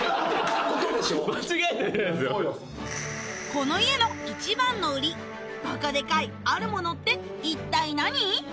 この家の一番の売りバカデカいあるものって一体何？